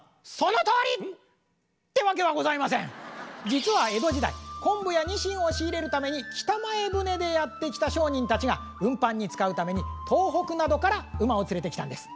実は江戸時代昆布やニシンを仕入れるために北前船でやって来た商人たちが運搬に使うために東北などから馬を連れてきたんです。